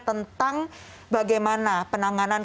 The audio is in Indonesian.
tentang bagaimana penanganan